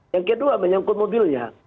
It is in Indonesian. yang kedua menyangkut mobilnya